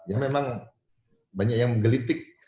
ya memang banyak yang menggelitik